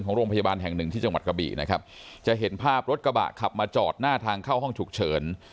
โรงพยาบาลแห่งหนึ่งที่จังหวัดกะบี่นะครับจะเห็นภาพรถกระบะขับมาจอดหน้าทางเข้าห้องฉุกเฉิน